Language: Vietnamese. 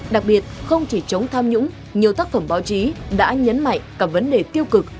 đặc biệt không chỉ chống tham nhũng nhiều tác phẩm báo chí đã nhấn mạnh cả vấn đề tiêu cực